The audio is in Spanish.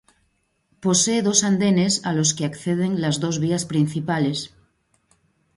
Posee dos andenes a los que acceden las dos vías principales.